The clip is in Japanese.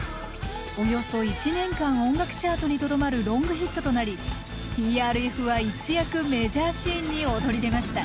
およそ１年間音楽チャートにとどまるロングヒットとなりＴＲＦは一躍メジャーシーンに躍り出ました。